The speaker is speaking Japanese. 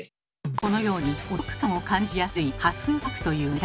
このようにお得感を感じやすい端数価格という値段。